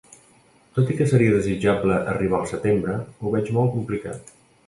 Tot i que seria desitjable arribar al setembre, ho veig molt complicat.